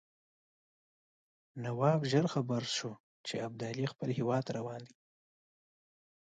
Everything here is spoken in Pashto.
نواب ژر خبر شو چې ابدالي خپل هیواد ته روان دی.